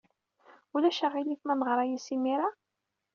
Ulac aɣilif ma neɣra-as imir-a?